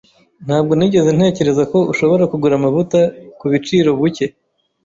Ntabwo nigeze ntekereza ko ushobora kugura amavuta kubiciro buke.